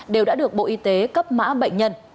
đều đã được bộ y tế cấp mã bệnh nhân